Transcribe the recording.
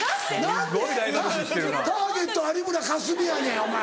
何でターゲット有村架純やねんお前。